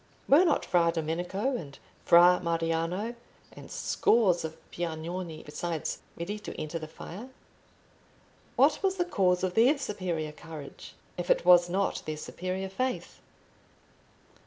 Were not Fra Domenico and Fra Mariano, and scores of Piagnoni besides, ready to enter the fire? What was the cause of their superior courage, if it was not their superior faith?